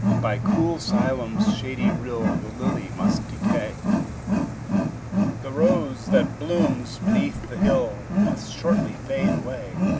By cool Siloam's shady rill The lily must decay; The rose that blooms beneath the hill Must shortly fade away.